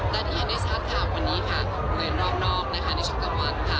และที่เห็นได้ชัดค่ะวันนี้ค่ะบริเวณรอบนอกนะคะในช่วงกลางวันค่ะ